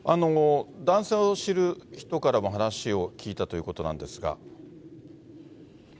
男性を知る人からも話を聞いたということなんですが。